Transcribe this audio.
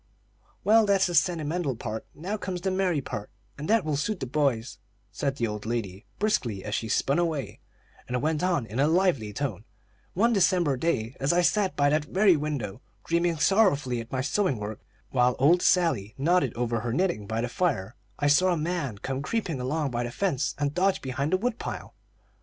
"Well, that's the sentimental part; now comes the merry part, and that will suit the boys," said the old lady, briskly, as she spun away, and went on in a lively tone: "One December day, as I sat by that very window, dreaming sorrowfully at my sewing work, while old Sally nodded over her knitting by the fire, I saw a man come creeping along by the fence and dodge behind the wood pile.